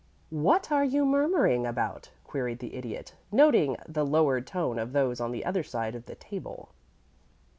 "What are you murmuring about?" queried the Idiot, noting the lowered tone of those on the other side of the table.